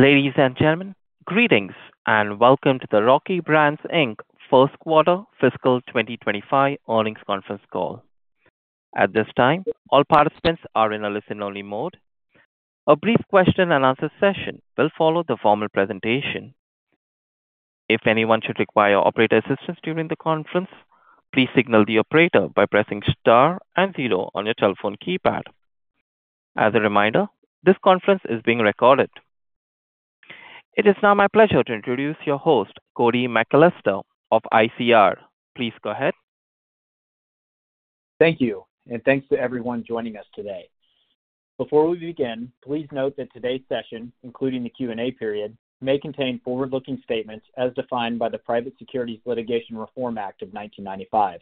Ladies and gentlemen, greetings and welcome to the Rocky Brands, Inc first quarter fiscal 2025 earnings conference call. At this time, all participants are in a listen-only mode. A brief question and answer session will follow the formal presentation. If anyone should require operator assistance during the conference, please signal the operator by pressing star and zero on your telephone keypad. As a reminder, this conference is being recorded. It is now my pleasure to introduce your host, Cody McAlester of ICR. Please go ahead. Thank you, and thanks to everyone joining us today. Before we begin, please note that today's session, including the Q&A period, may contain forward-looking statements as defined by the Private Securities Litigation Reform Act of 1995.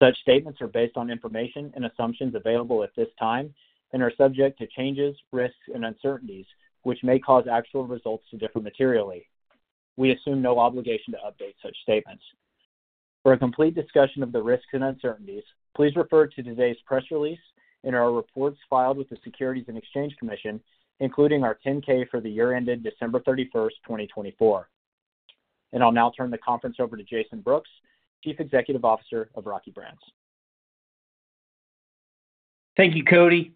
Such statements are based on information and assumptions available at this time and are subject to changes, risks, and uncertainties, which may cause actual results to differ materially. We assume no obligation to update such statements. For a complete discussion of the risks and uncertainties, please refer to today's press release and our reports filed with the Securities and Exchange Commission, including our 10-K for the year ended December 31, 2024. I will now turn the conference over to Jason Brooks, Chief Executive Officer of Rocky Brands. Thank you, Cody.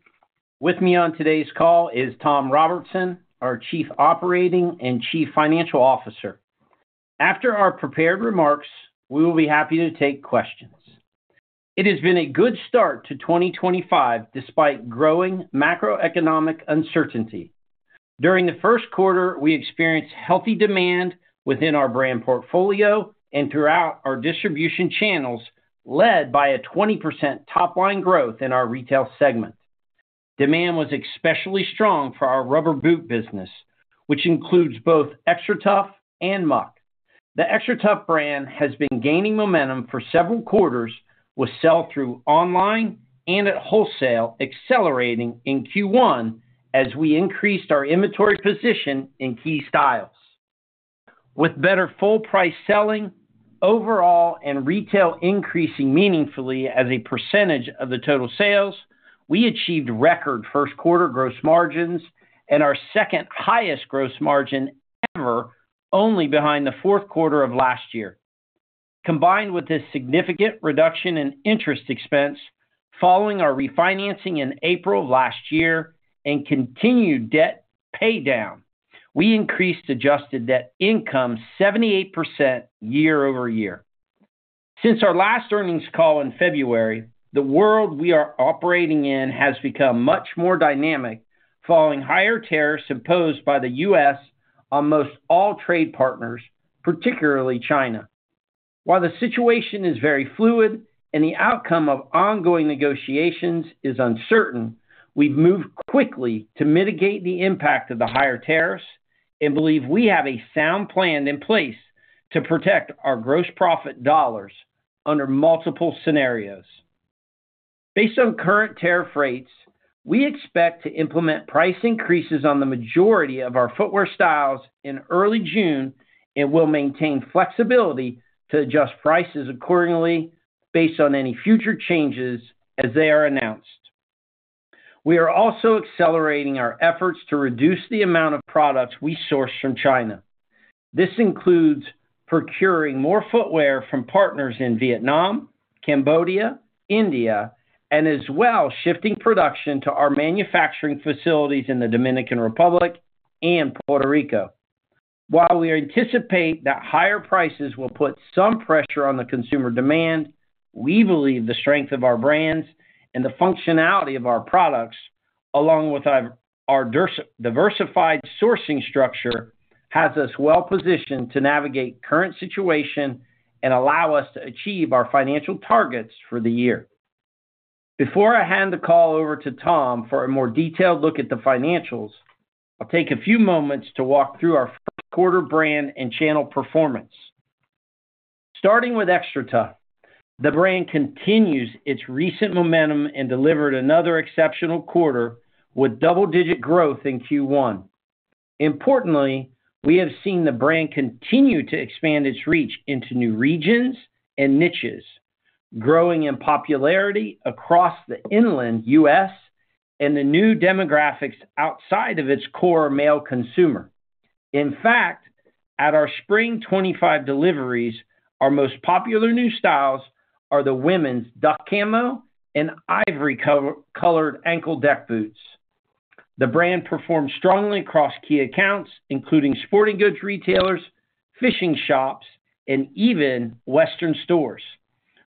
With me on today's call is Tom Robertson, our Chief Operating and Chief Financial Officer. After our prepared remarks, we will be happy to take questions. It has been a good start to 2025 despite growing macroeconomic uncertainty. During the first quarter, we experienced healthy demand within our brand portfolio and throughout our distribution channels, led by a 20% top-line growth in our retail segment. Demand was especially strong for our rubber boot business, which includes both XTRATUF and Muck. The XTRATUF brand has been gaining momentum for several quarters, with sell-through online and at wholesale accelerating in Q1 as we increased our inventory position in key styles. With better full-price selling, overall and retail increasing meaningfully as a percentage of the total sales, we achieved record first-quarter gross margins and our second-highest gross margin ever, only behind the fourth quarter of last year. Combined with this significant reduction in interest expense following our refinancing in April of last year and continued debt paydown, we increased adjusted net income 78% year-over-year. Since our last earnings call in February, the world we are operating in has become much more dynamic following higher tariffs imposed by the U.S. on most all trade partners, particularly China. While the situation is very fluid and the outcome of ongoing negotiations is uncertain, we've moved quickly to mitigate the impact of the higher tariffs and believe we have a sound plan in place to protect our gross profit dollars under multiple scenarios. Based on current tariff rates, we expect to implement price increases on the majority of our footwear styles in early June and will maintain flexibility to adjust prices accordingly based on any future changes as they are announced. We are also accelerating our efforts to reduce the amount of products we source from China. This includes procuring more footwear from partners in Vietnam, Cambodia, India, and as well shifting production to our manufacturing facilities in the Dominican Republic and Puerto Rico. While we anticipate that higher prices will put some pressure on the consumer demand, we believe the strength of our brands and the functionality of our products, along with our diversified sourcing structure, has us well-positioned to navigate current situation and allow us to achieve our financial targets for the year. Before I hand the call over to Tom for a more detailed look at the financials, I'll take a few moments to walk through our first-quarter brand and channel performance. Starting with XTRATUF, the brand continues its recent momentum and delivered another exceptional quarter with double-digit growth in Q1. Importantly, we have seen the brand continue to expand its reach into new regions and niches, growing in popularity across the inland U.S. and the new demographics outside of its core male consumer. In fact, at our Spring 2025 deliveries, our most popular new styles are the women's duck camo and ivory-colored ankle deck boots. The brand performed strongly across key accounts, including sporting goods retailers, fishing shops, and even Western stores,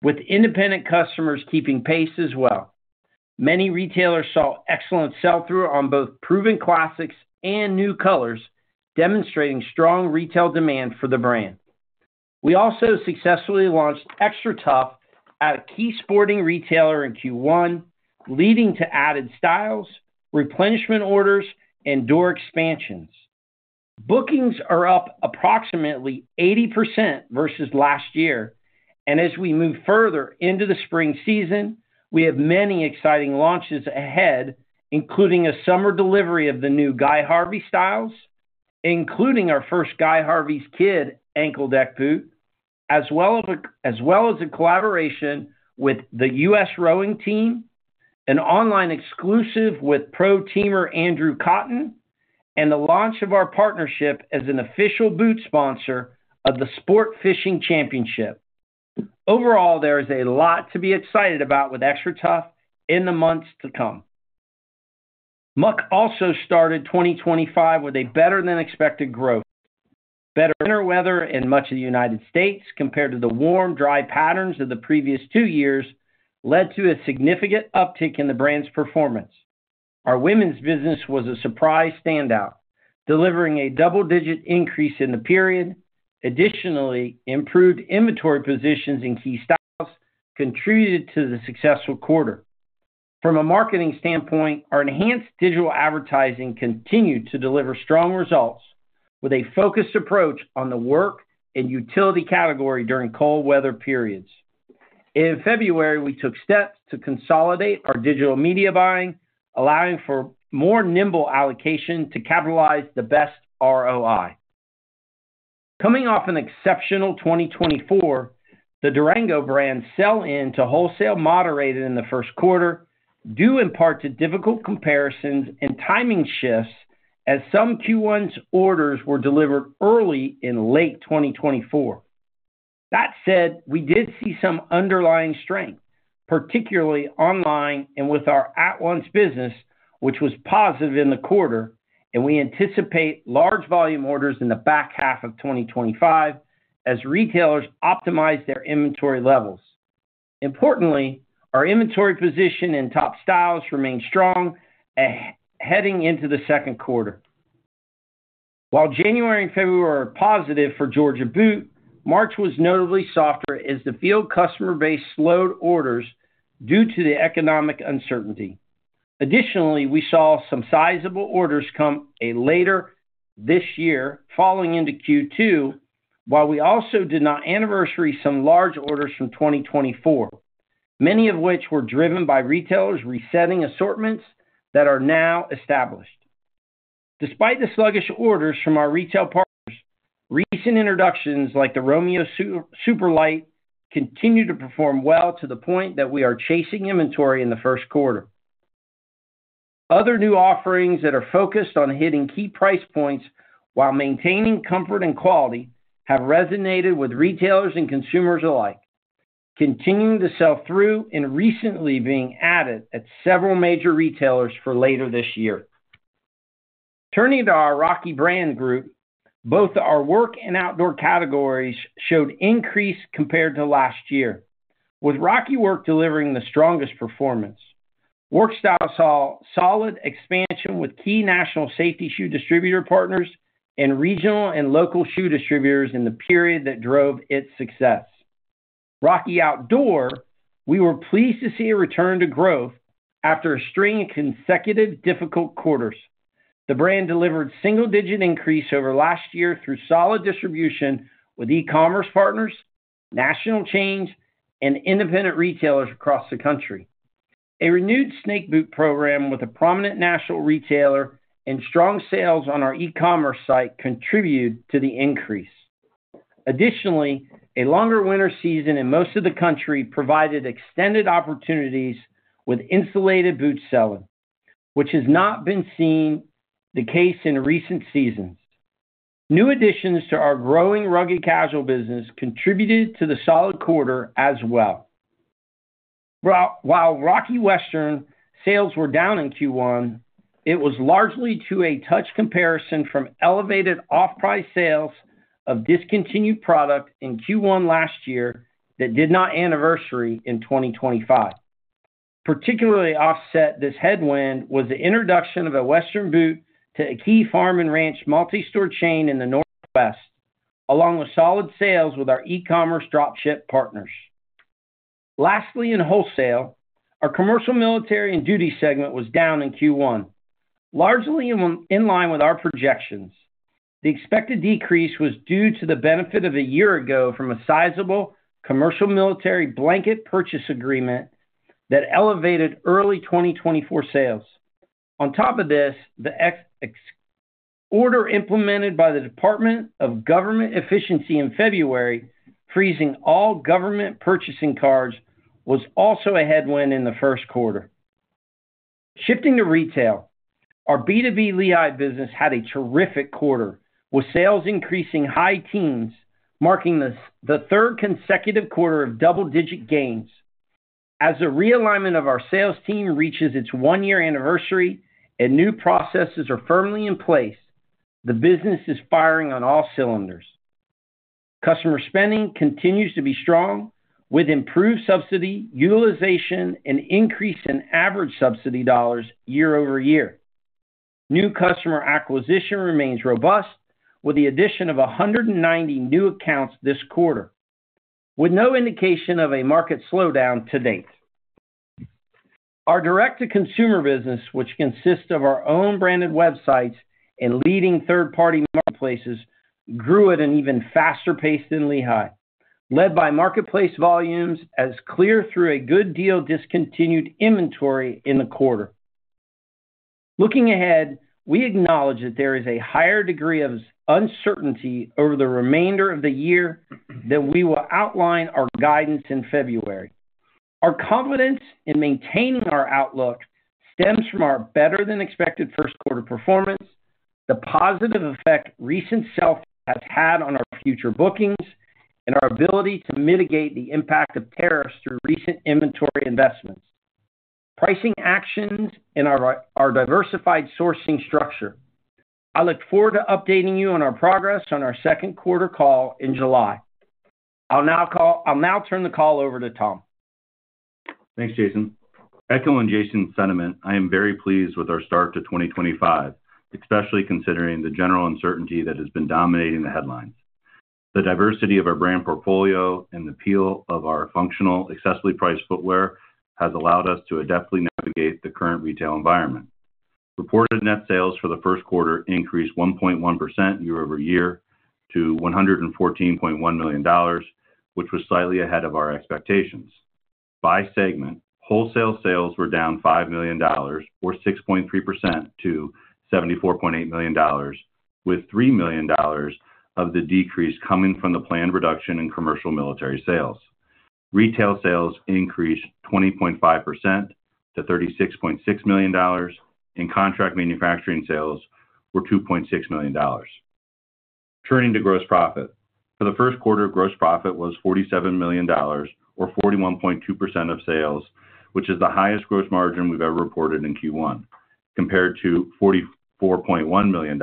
with independent customers keeping pace as well. Many retailers saw excellent sell-through on both proven classics and new colors, demonstrating strong retail demand for the brand. We also successfully launched XTRATUF at a key sporting retailer in Q1, leading to added styles, replenishment orders, and door expansions. Bookings are up approximately 80% versus last year, and as we move further into the spring season, we have many exciting launches ahead, including a summer delivery of the new Guy Harvey styles, including our first Guy Harvey's Kid ankle deck boot, as well as a collaboration with the U.S. rowing team, an online exclusive with pro-teamer Andrew Cotton, and the launch of our partnership as an official boot sponsor of the Sport Fishing Championship. Overall, there is a lot to be excited about with XTRATUF in the months to come. Muck also started 2025 with a better-than-expected growth. Better winter weather in much of the United States compared to the warm, dry patterns of the previous two years led to a significant uptick in the brand's performance. Our women's business was a surprise standout, delivering a double-digit increase in the period. Additionally, improved inventory positions in key styles contributed to the successful quarter. From a marketing standpoint, our enhanced digital advertising continued to deliver strong results with a focused approach on the work and utility category during cold weather periods. In February, we took steps to consolidate our digital media buying, allowing for more nimble allocation to capitalize the best ROI. Coming off an exceptional 2024, the Durango brands sell-in to wholesale moderated in the first quarter due in part to difficult comparisons and timing shifts as some Q1's orders were delivered early in late 2024. That said, we did see some underlying strength, particularly online and with our at-once business, which was positive in the quarter, and we anticipate large volume orders in the back half of 2025 as retailers optimize their inventory levels. Importantly, our inventory position in top styles remained strong heading into the second quarter. While January and February were positive for Georgia Boot, March was notably softer as the field customer base slowed orders due to the economic uncertainty. Additionally, we saw some sizable orders come later this year following into Q2, while we also did not anniversary some large orders from 2024, many of which were driven by retailers resetting assortments that are now established. Despite the sluggish orders from our retail partners, recent introductions like the Romeo SuperLyte continue to perform well to the point that we are chasing inventory in the first quarter. Other new offerings that are focused on hitting key price points while maintaining comfort and quality have resonated with retailers and consumers alike, continuing to sell through and recently being added at several major retailers for later this year. Turning to our Rocky Brands group, both our work and outdoor categories showed increase compared to last year, with Rocky Work delivering the strongest performance. Work style saw solid expansion with key national safety shoe distributor partners and regional and local shoe distributors in the period that drove its success. Rocky Outdoor, we were pleased to see a return to growth after a string of consecutive difficult quarters. The brand delivered single-digit increase over last year through solid distribution with e-commerce partners, national chains, and independent retailers across the country. A renewed snake boot program with a prominent national retailer and strong sales on our e-commerce site contributed to the increase. Additionally, a longer winter season in most of the country provided extended opportunities with insulated boot selling, which has not been seen the case in recent seasons. New additions to our growing rugged casual business contributed to the solid quarter as well. While Rocky Western sales were down in Q1, it was largely due to a tough comparison from elevated off-price sales of discontinued product in Q1 last year that did not anniversary in 2025. Particularly offsetting this headwind was the introduction of a Western boot to a key farm and ranch multi-store chain in the Northwest, along with solid sales with our e-commerce dropship partners. Lastly, in wholesale, our commercial military and duty segment was down in Q1, largely in line with our projections. The expected decrease was due to the benefit a year ago from a sizable commercial military blanket purchase agreement that elevated early 2024 sales. On top of this, the order implemented by the Department of Government Efficiency in February, freezing all government purchasing cards, was also a headwind in the first quarter. Shifting to retail, our B2B Lehigh business had a terrific quarter, with sales increasing high teens, marking the third consecutive quarter of double-digit gains. As the realignment of our sales team reaches its one-year anniversary and new processes are firmly in place, the business is firing on all cylinders. Customer spending continues to be strong with improved subsidy utilization and increase in average subsidy dollars year over year. New customer acquisition remains robust with the addition of 190 new accounts this quarter, with no indication of a market slowdown to date. Our direct-to-consumer business, which consists of our own branded websites and leading third-party marketplaces, grew at an even faster pace than Lehigh, led by marketplace volumes as clear through a good deal discontinued inventory in the quarter. Looking ahead, we acknowledge that there is a higher degree of uncertainty over the remainder of the year than we will outline our guidance in February. Our confidence in maintaining our outlook stems from our better-than-expected first-quarter performance, the positive effect recent sell-through has had on our future bookings, and our ability to mitigate the impact of tariffs through recent inventory investments, pricing actions, and our diversified sourcing structure. I look forward to updating you on our progress on our second-quarter call in July. I'll now turn the call over to Tom. Thanks, Jason. Echoing Jason's sentiment, I am very pleased with our start to 2025, especially considering the general uncertainty that has been dominating the headlines. The diversity of our brand portfolio and the appeal of our functional, accessibly priced footwear has allowed us to adeptly navigate the current retail environment. Reported net sales for the first quarter increased 1.1% year-over-year to $114.1 million, which was slightly ahead of our expectations. By segment, wholesale sales were down $5 million, or 6.3%, to $74.8 million, with $3 million of the decrease coming from the planned reduction in commercial military sales. Retail sales increased 20.5% to $36.6 million, and contract manufacturing sales were $2.6 million. Turning to gross profit, for the first quarter, gross profit was $47 million, or 41.2% of sales, which is the highest gross margin we've ever reported in Q1, compared to $44.1 million,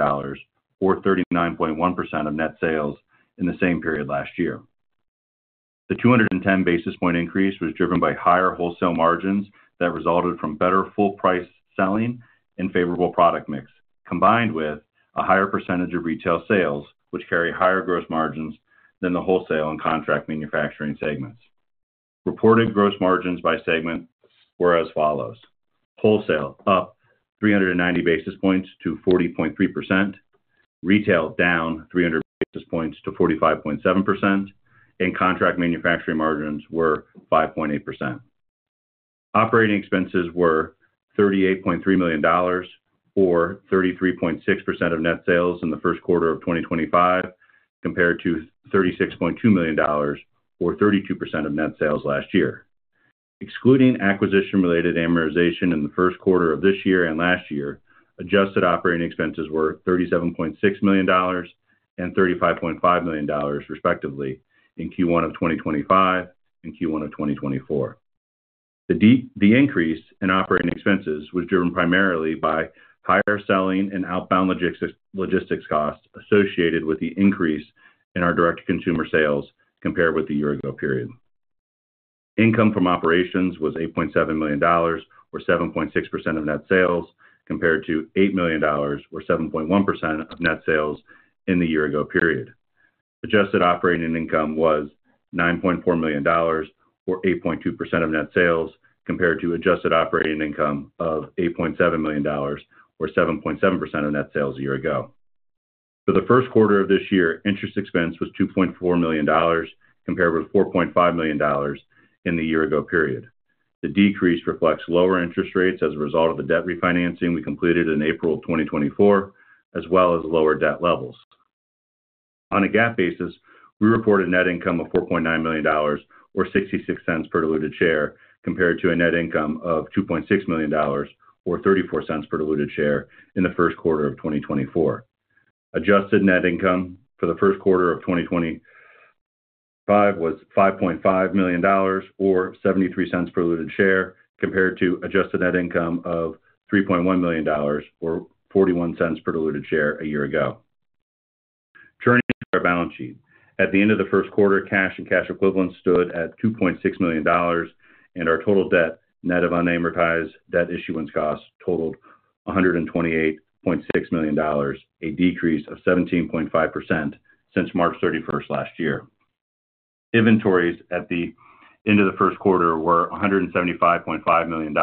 or 39.1% of net sales in the same period last year. The 210 basis point increase was driven by higher wholesale margins that resulted from better full-price selling and favorable product mix, combined with a higher percentage of retail sales, which carry higher gross margins than the wholesale and contract manufacturing segments. Reported gross margins by segment were as follows: wholesale up 390 basis points to 40.3%, retail down 300 basis points to 45.7%, and contract manufacturing margins were 5.8%. Operating expenses were $38.3 million, or 33.6% of net sales in the first quarter of 2025, compared to $36.2 million, or 32% of net sales last year. Excluding acquisition-related amortization in the first quarter of this year and last year, adjusted operating expenses were $37.6 million and $35.5 million, respectively, in Q1 of 2025 and Q1 of 2024. The increase in operating expenses was driven primarily by higher selling and outbound logistics costs associated with the increase in our direct-to-consumer sales compared with the year-ago period. Income from operations was $8.7 million, or 7.6% of net sales, compared to $8 million, or 7.1% of net sales in the year-ago period. Adjusted operating income was $9.4 million, or 8.2% of net sales, compared to adjusted operating income of $8.7 million, or 7.7% of net sales a year ago. For the first quarter of this year, interest expense was $2.4 million, compared with $4.5 million in the year-ago period. The decrease reflects lower interest rates as a result of the debt refinancing we completed in April of 2024, as well as lower debt levels. On a GAAP basis, we reported net income of $4.9 million, or $0.66 per diluted share, compared to a net income of $2.6 million, or $0.34 per diluted share in the first quarter of 2024. Adjusted net income for the first quarter of 2025 was $5.5 million, or $0.73 per diluted share, compared to adjusted net income of $3.1 million, or $0.41 per diluted share a year ago. Turning to our balance sheet, at the end of the first quarter, cash and cash equivalents stood at $2.6 million, and our total debt, net of unamortized debt issuance costs, totaled $128.6 million, a decrease of 17.5% since March 31 last year. Inventories at the end of the first quarter were $175.5 million,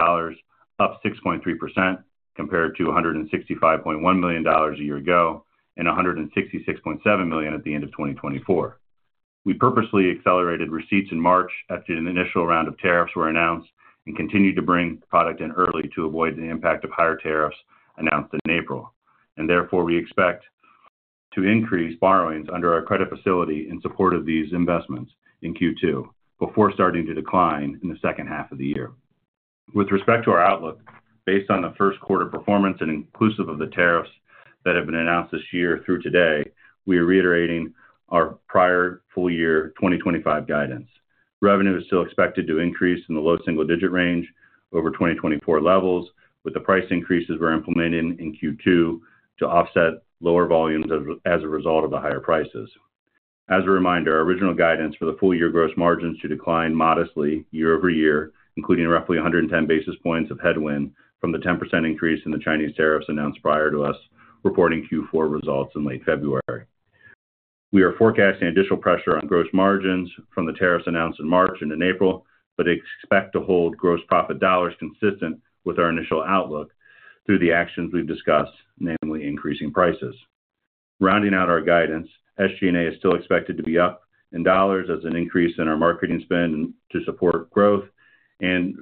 up 6.3%, compared to $165.1 million a year ago and $166.7 million at the end of 2024. We purposely accelerated receipts in March after an initial round of tariffs were announced and continued to bring product in early to avoid the impact of higher tariffs announced in April. Therefore, we expect to increase borrowings under our credit facility in support of these investments in Q2 before starting to decline in the second half of the year. With respect to our outlook, based on the first quarter performance and inclusive of the tariffs that have been announced this year through today, we are reiterating our prior full-year 2025 guidance. Revenue is still expected to increase in the low single-digit range over 2024 levels, with the price increases we're implementing in Q2 to offset lower volumes as a result of the higher prices. As a reminder, our original guidance for the full-year gross margins to decline modestly year-over-year, including roughly 110 basis points of headwind from the 10% increase in the Chinese tariffs announced prior to us reporting Q4 results in late February. We are forecasting additional pressure on gross margins from the tariffs announced in March and in April, but expect to hold gross profit dollars consistent with our initial outlook through the actions we've discussed, namely increasing prices. Rounding out our guidance, SG&A is still expected to be up in dollars as an increase in our marketing spend to support growth and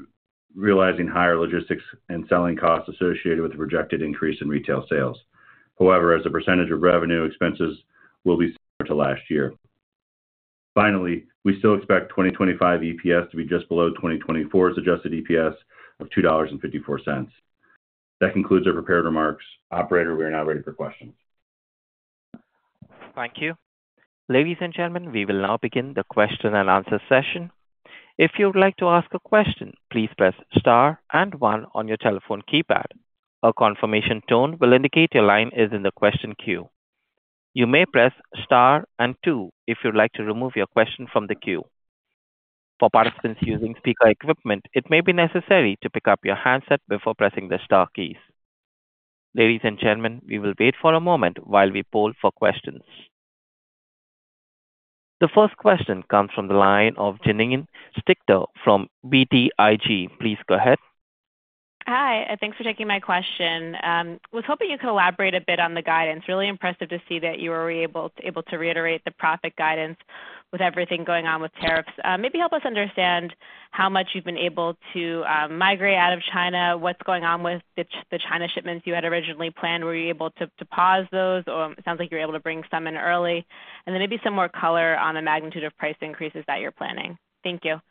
realizing higher logistics and selling costs associated with the projected increase in retail sales. However, as a percentage of revenue, expenses will be similar to last year. Finally, we still expect 2025 EPS to be just below 2024's adjusted EPS of $2.54. That concludes our prepared remarks. Operator, we are now ready for questions. Thank you. Ladies and gentlemen, we will now begin the question and answer session. If you would like to ask a question, please press star and one on your telephone keypad. A confirmation tone will indicate your line is in the question queue. You may press star and two if you'd like to remove your question from the queue. For participants using speaker equipment, it may be necessary to pick up your handset before pressing the star keys. Ladies and gentlemen, we will wait for a moment while we poll for questions. The first question comes from the line of Janine Stichter from BTIG. Please go ahead. Hi. Thanks for taking my question. I was hoping you could elaborate a bit on the guidance. Really impressive to see that you were able to reiterate the profit guidance with everything going on with tariffs. Maybe help us understand how much you've been able to migrate out of China, what's going on with the China shipments you had originally planned. Were you able to pause those? It sounds like you were able to bring some in early. Maybe some more color on the magnitude of price increases that you're planning. Thank you.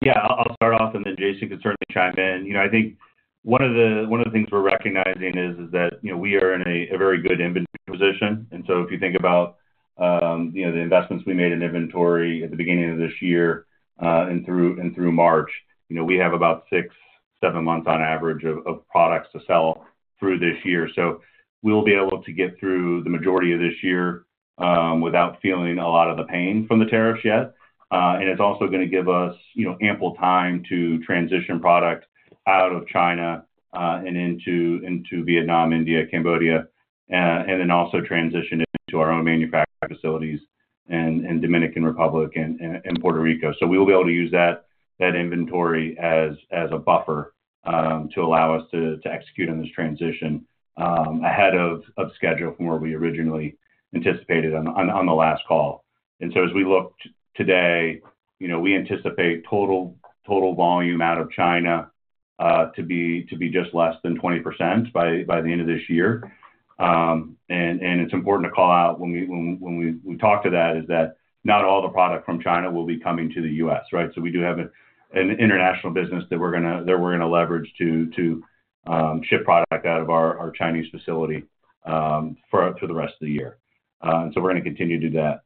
Yeah. I'll start off, and then Jason can certainly chime in. I think one of the things we're recognizing is that we are in a very good inventory position. If you think about the investments we made in inventory at the beginning of this year and through March, we have about six, seven months on average of products to sell through this year. We'll be able to get through the majority of this year without feeling a lot of the pain from the tariffs yet. It's also going to give us ample time to transition product out of China and into Vietnam, India, Cambodia, and then also transition into our own manufacturing facilities in Dominican Republic and Puerto Rico. We will be able to use that inventory as a buffer to allow us to execute on this transition ahead of schedule from where we originally anticipated on the last call. As we look today, we anticipate total volume out of China to be just less than 20% by the end of this year. It is important to call out when we talk to that is that not all the product from China will be coming to the U.S., right? We do have an international business that we are going to leverage to ship product out of our Chinese facility for the rest of the year. We are going to continue to do that.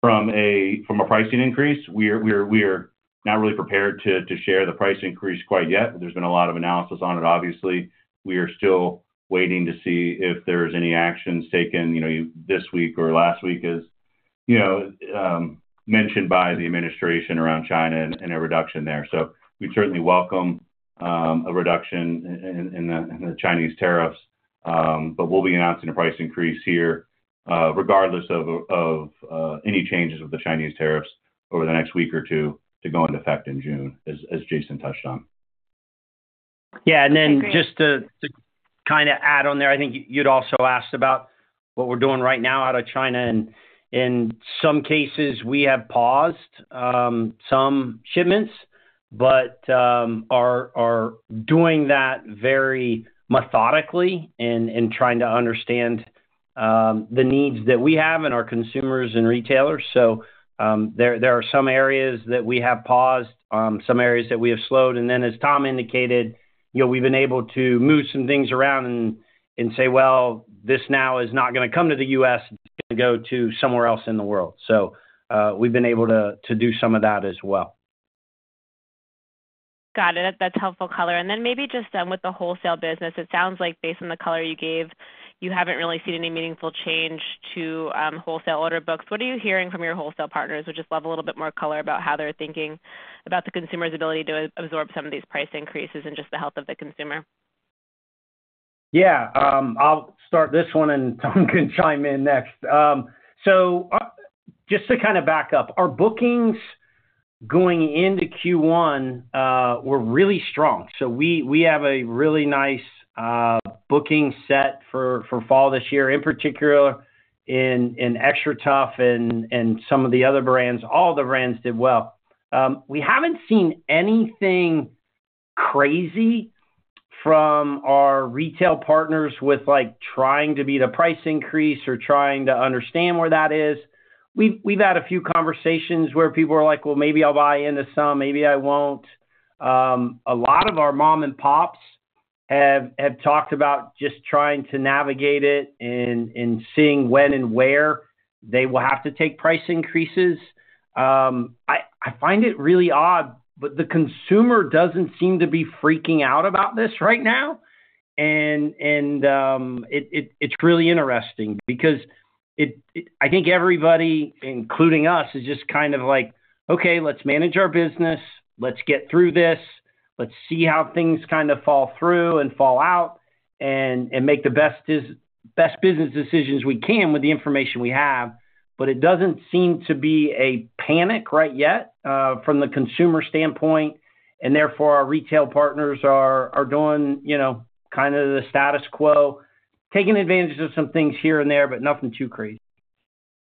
From a pricing increase, we are not really prepared to share the price increase quite yet. There has been a lot of analysis on it, obviously. We are still waiting to see if there's any actions taken this week or last week, as mentioned by the administration around China and a reduction there. We certainly welcome a reduction in the Chinese tariffs, but we'll be announcing a price increase here regardless of any changes with the Chinese tariffs over the next week or two to go into effect in June, as Jason touched on. Yeah. Just to kind of add on there, I think you'd also asked about what we're doing right now out of China. In some cases, we have paused some shipments, but are doing that very methodically and trying to understand the needs that we have and our consumers and retailers. There are some areas that we have paused, some areas that we have slowed. As Tom indicated, we have been able to move some things around and say, "Well, this now is not going to come to the U.S., it is going to go to somewhere else in the world." We have been able to do some of that as well. Got it. That is helpful color. Maybe just with the wholesale business, it sounds like based on the color you gave, you have not really seen any meaningful change to wholesale order books. What are you hearing from your wholesale partners? Would just love a little bit more color about how they are thinking about the consumer's ability to absorb some of these price increases and just the health of the consumer. I will start this one, and Tom can chime in next. Just to kind of back up, our bookings going into Q1 were really strong. We have a really nice booking set for fall this year, in particular in XTRATUF and some of the other brands. All the brands did well. We haven't seen anything crazy from our retail partners with trying to beat a price increase or trying to understand where that is. We've had a few conversations where people are like, "Well, maybe I'll buy into some, maybe I won't." A lot of our mom-and-pops have talked about just trying to navigate it and seeing when and where they will have to take price increases. I find it really odd, but the consumer doesn't seem to be freaking out about this right now. It's really interesting because I think everybody, including us, is just kind of like, "Okay, let's manage our business. Let's get through this. Let's see how things kind of fall through and fall out and make the best business decisions we can with the information we have. It does not seem to be a panic right yet from the consumer standpoint. Therefore, our retail partners are doing kind of the status quo, taking advantage of some things here and there, but nothing too crazy.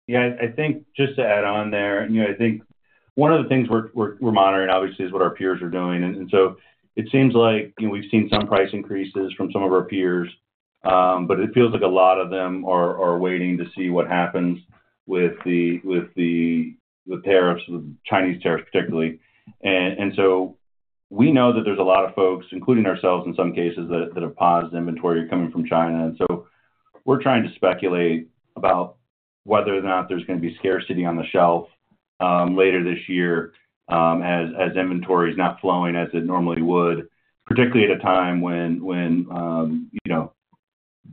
Yeah. I think just to add on there, I think one of the things we're monitoring, obviously, is what our peers are doing. It seems like we've seen some price increases from some of our peers, but it feels like a lot of them are waiting to see what happens with the tariffs, the Chinese tariffs particularly. We know that there are a lot of folks, including ourselves in some cases, that have paused inventory coming from China. We're trying to speculate about whether or not there's going to be scarcity on the shelf later this year as inventory is not flowing as it normally would, particularly at a time when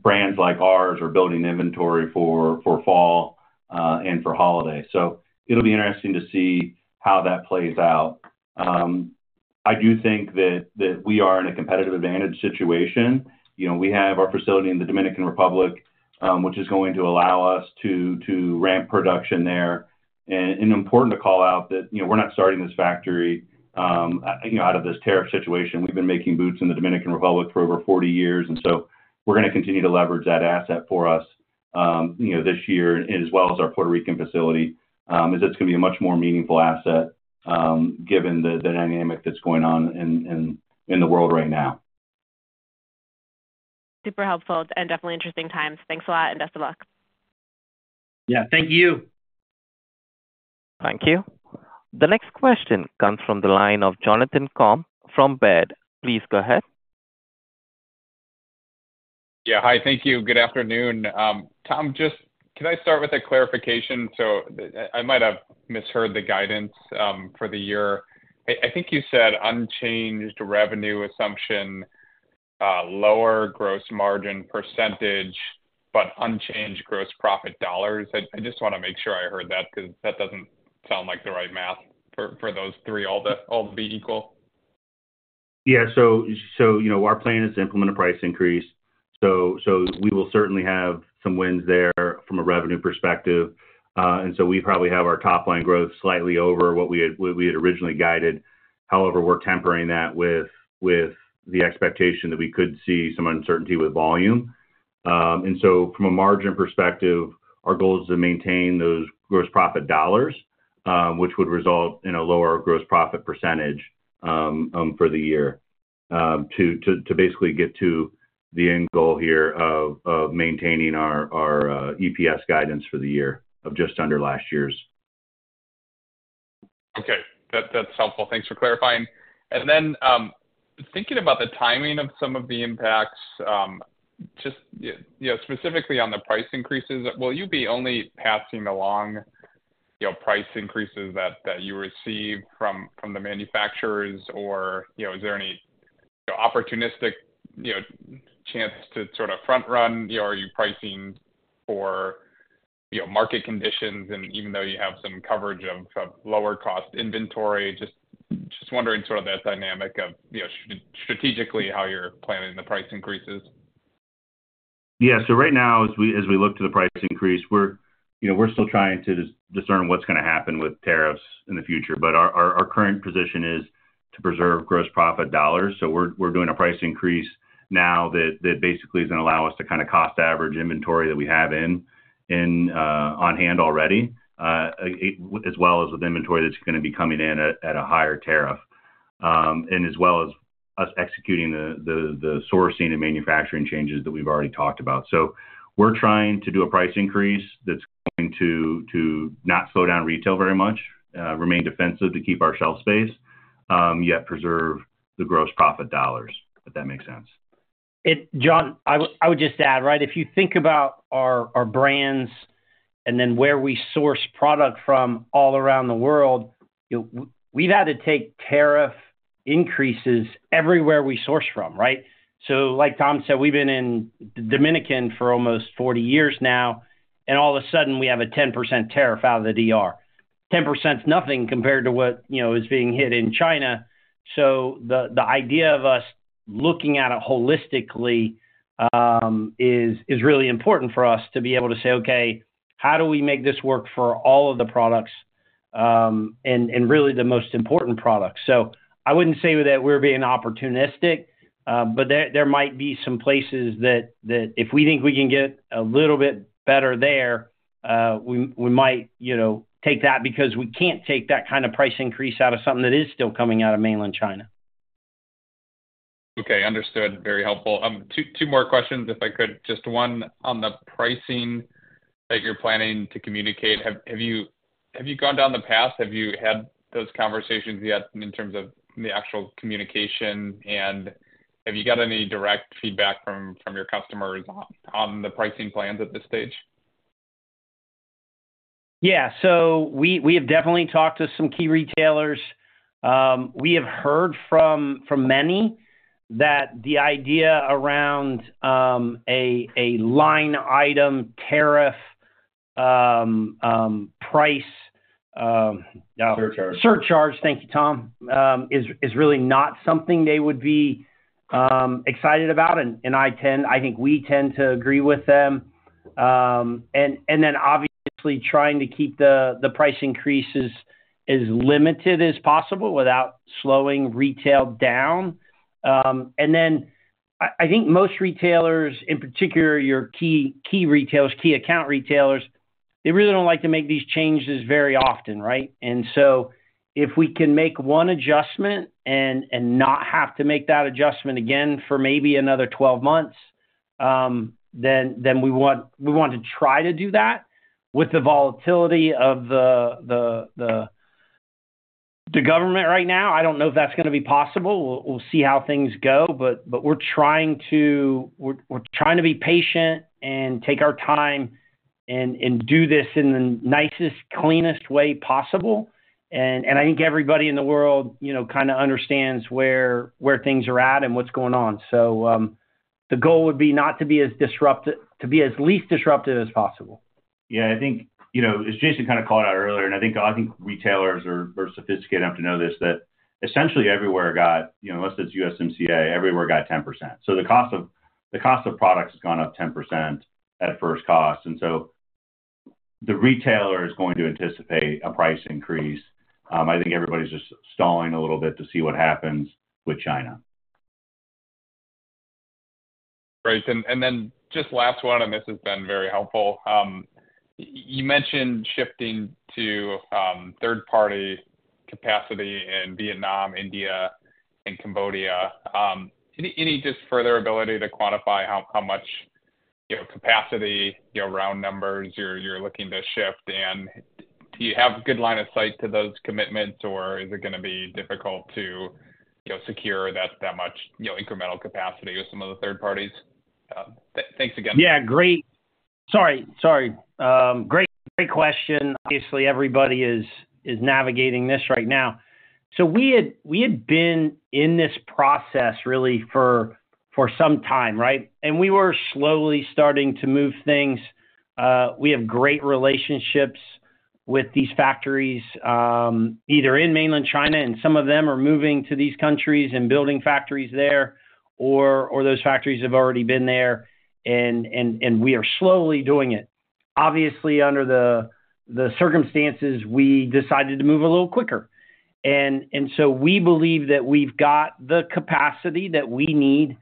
brands like ours are building inventory for fall and for holidays. It will be interesting to see how that plays out. I do think that we are in a competitive advantage situation. We have our facility in the Dominican Republic, which is going to allow us to ramp production there. It is important to call out that we're not starting this factory out of this tariff situation. We've been making boots in the Dominican Republic for over 40 years. We're going to continue to leverage that asset for us this year, as well as our Puerto Rican facility, as it's going to be a much more meaningful asset given the dynamic that's going on in the world right now. Super helpful and definitely interesting times. Thanks a lot and best of luck. Yeah. Thank you. Thank you. The next question comes from the line of Jonathan Komp from Baird. Please go ahead. Yeah. Hi. Thank you. Good afternoon. Tom, just can I start with a clarification? I might have misheard the guidance for the year. I think you said unchanged revenue assumption, lower gross margin percentage, but unchanged gross profit dollars. I just want to make sure I heard that because that doesn't sound like the right math for those three. All be equal? Yeah. Our plan is to implement a price increase. We will certainly have some wins there from a revenue perspective. We probably have our top line growth slightly over what we had originally guided. However, we're tempering that with the expectation that we could see some uncertainty with volume. From a margin perspective, our goal is to maintain those gross profit dollars, which would result in a lower gross profit percentage for the year to basically get to the end goal here of maintaining our EPS guidance for the year of just under last year's. Okay. That's helpful. Thanks for clarifying. Thinking about the timing of some of the impacts, just specifically on the price increases, will you be only passing along price increases that you receive from the manufacturers, or is there any opportunistic chance to sort of front-run, or are you pricing for market conditions? Even though you have some coverage of lower-cost inventory, just wondering sort of that dynamic of strategically how you're planning the price increases. Yeah. Right now, as we look to the price increase, we're still trying to discern what's going to happen with tariffs in the future. Our current position is to preserve gross profit dollars. We're doing a price increase now that basically is going to allow us to kind of cost average inventory that we have on hand already, as well as with inventory that's going to be coming in at a higher tariff, and as well as us executing the sourcing and manufacturing changes that we've already talked about. We're trying to do a price increase that's going to not slow down retail very much, remain defensive to keep our shelf space, yet preserve the gross profit dollars, if that makes sense. Jon, I would just add, right? If you think about our brands and then where we source product from all around the world, we've had to take tariff increases everywhere we source from, right? Like Tom said, we've been in Dominican for almost 40 years now, and all of a sudden, we have a 10% tariff out of the DR. 10% is nothing compared to what is being hit in China. The idea of us looking at it holistically is really important for us to be able to say, "Okay, how do we make this work for all of the products and really the most important products?" I would not say that we are being opportunistic, but there might be some places that if we think we can get a little bit better there, we might take that because we cannot take that kind of price increase out of something that is still coming out of mainland China. Okay. Understood. Very helpful. Two more questions, if I could. Just one on the pricing that you are planning to communicate. Have you gone down the path? Have you had those conversations yet in terms of the actual communication? Have you got any direct feedback from your customers on the pricing plans at this stage? Yeah. We have definitely talked to some key retailers. We have heard from many that the idea around a line item tariff price surcharge—surcharge, thank you, Tom—is really not something they would be excited about. I think we tend to agree with them. Obviously, trying to keep the price increases as limited as possible without slowing retail down. I think most retailers, in particular your key retailers, key account retailers, really do not like to make these changes very often, right? If we can make one adjustment and not have to make that adjustment again for maybe another 12 months, then we want to try to do that. With the volatility of the government right now, I do not know if that is going to be possible. We will see how things go. We're trying to be patient and take our time and do this in the nicest, cleanest way possible. I think everybody in the world kind of understands where things are at and what's going on. The goal would be not to be as disruptive, to be as least disruptive as possible. Yeah. I think, as Jason kind of called out earlier, and I think retailers are sophisticated enough to know this, that essentially everywhere, unless it's USMCA, everywhere got 10%. The cost of products has gone up 10% at first cost. The retailer is going to anticipate a price increase. I think everybody's just stalling a little bit to see what happens with China. Great. Just last one, and this has been very helpful. You mentioned shifting to third-party capacity in Vietnam, India, and Cambodia. Any just further ability to quantify how much capacity, round numbers you're looking to shift? And do you have a good line of sight to those commitments, or is it going to be difficult to secure that much incremental capacity with some of the third parties? Thanks again. Yeah. Great. Sorry. Great question. Obviously, everybody is navigating this right now. We had been in this process really for some time, right? We were slowly starting to move things. We have great relationships with these factories either in mainland China, and some of them are moving to these countries and building factories there, or those factories have already been there. We are slowly doing it. Obviously, under the circumstances, we decided to move a little quicker. We believe that we've got the capacity that we need.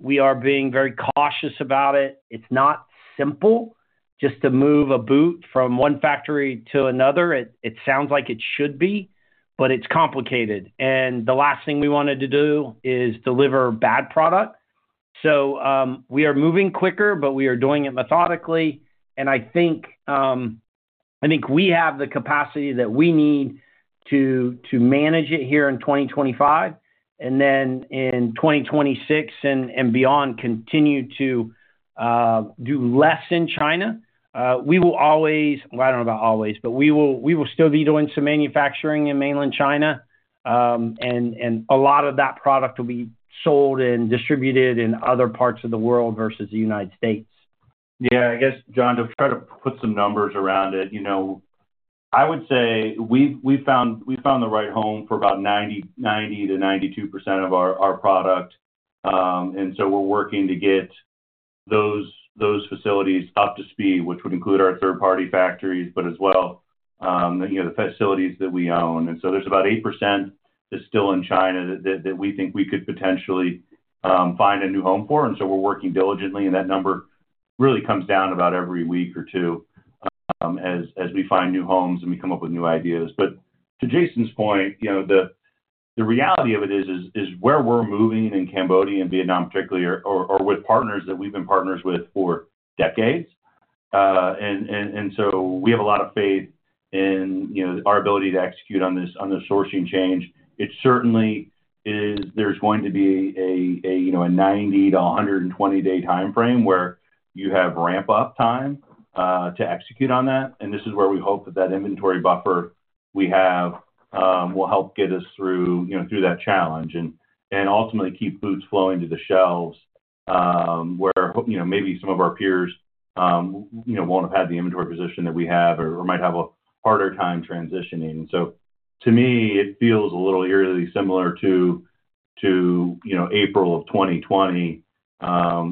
We are being very cautious about it. It's not simple just to move a boot from one factory to another. It sounds like it should be, but it's complicated. The last thing we wanted to do is deliver bad product. We are moving quicker, but we are doing it methodically. I think we have the capacity that we need to manage it here in 2025, and then in 2026 and beyond, continue to do less in China. We will always—well, I don't know about always, but we will still be doing some manufacturing in mainland China. A lot of that product will be sold and distributed in other parts of the world versus the United States. Yeah. I guess, Jon, to try to put some numbers around it, I would say we found the right home for about 90-92% of our product. We're working to get those facilities up to speed, which would include our third-party factories, as well as the facilities that we own. There's about 8% that's still in China that we think we could potentially find a new home for. We're working diligently, and that number really comes down about every week or two as we find new homes and we come up with new ideas. To Jason's point, the reality of it is where we're moving in Cambodia and Vietnam, particularly, are with partners that we've been partners with for decades. We have a lot of faith in our ability to execute on the sourcing change. It certainly is going to be a 90-120 day timeframe where you have ramp-up time to execute on that. This is where we hope that that inventory buffer we have will help get us through that challenge and ultimately keep boots flowing to the shelves where maybe some of our peers will not have had the inventory position that we have or might have a harder time transitioning. To me, it feels a little eerily similar to April of 2020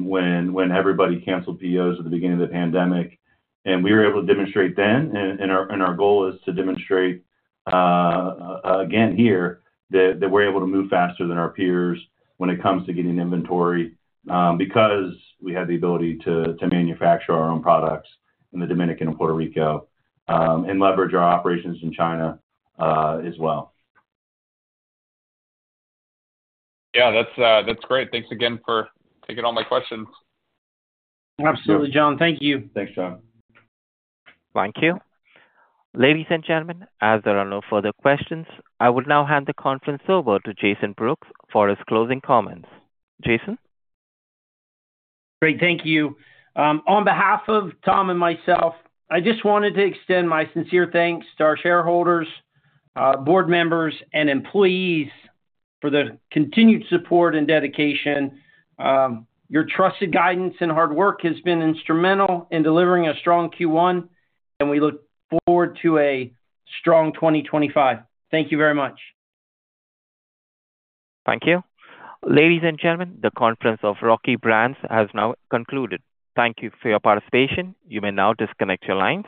when everybody canceled POs at the beginning of the pandemic. We were able to demonstrate then, and our goal is to demonstrate again here, that we are able to move faster than our peers when it comes to getting inventory because we had the ability to manufacture our own products in the Dominican and Puerto Rico and leverage our operations in China as well. Yeah. That's great. Thanks again for taking all my questions. Absolutely, Jon. Thank you. Thanks, Jon. Thank you. Ladies and gentlemen, as there are no further questions, I will now hand the conference over to Jason Brooks for his closing comments. Jason? Great. Thank you. On behalf of Tom and myself, I just wanted to extend my sincere thanks to our shareholders, board members, and employees for the continued support and dedication. Your trusted guidance and hard work has been instrumental in delivering a strong Q1, and we look forward to a strong 2025. Thank you very much. Thank you. Ladies and gentlemen, the conference of Rocky Brands has now concluded. Thank you for your participation. You may now disconnect your lines.